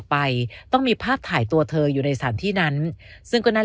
ไปต้องมีภาพถ่ายตัวเธออยู่ในสถานที่นั้นซึ่งก็น่า